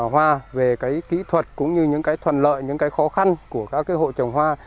hoa về kỹ thuật cũng như những thuần lợi những khó khăn của các hộ trồng hoa